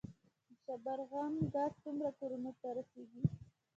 د شبرغان ګاز څومره کورونو ته رسیږي؟